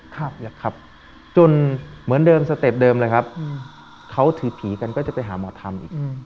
ครับอยากขับจนเหมือนเดิมสเต็ปเดิมเลยครับเขาถือผีกันก็จะไปหาหมอธรรมอีก